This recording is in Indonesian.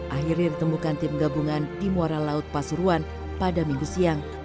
akhirnya ditemukan tim gabungan di muara laut pasuruan pada minggu siang